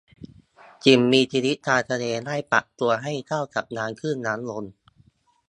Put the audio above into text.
สิ่งมีชีวิตทางทะเลได้ปรับตัวให้เข้ากับน้ำขึ้นน้ำลง